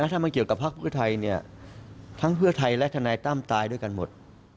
ถ้ามันเกี่ยวกับภาคเพื่อไทยเนี่ยทั้งเพื่อไทยและทนายตั้มตายด้วยกันหมด